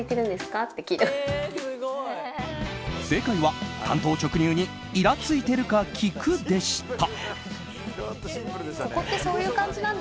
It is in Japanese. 正解は、単刀直入にイラついてるか聞くでした。